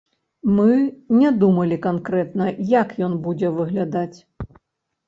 Мы не думалі канкрэтна, як ён будзе выглядаць.